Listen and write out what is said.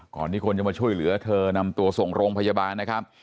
ที่คนจะมาช่วยเหลือเธอนำตัวส่งโรงพยาบาลนะครับ